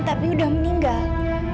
tapi udah meninggal